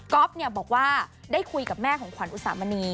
บอกว่าได้คุยกับแม่ของขวัญอุสามณี